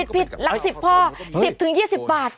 ผิดหลัก๑๐พ่อ๑๐๒๐บาท